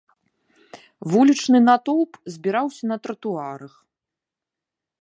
Вулічны натоўп збіраўся на тратуарах.